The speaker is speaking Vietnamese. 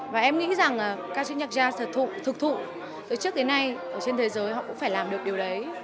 và em nghĩ rằng ca sĩ nhạc gia thực thụ từ trước đến nay ở trên thế giới họ cũng phải làm được điều đấy